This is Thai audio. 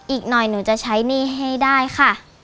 อีกหน่อยหนูจะใช้หนี้ให้ได้ค่ะ